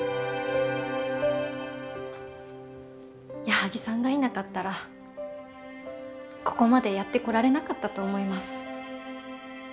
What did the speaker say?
矢作さんがいなかったらここまでやってこられなかったと思います。